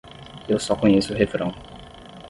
Eu só conheço o refrão.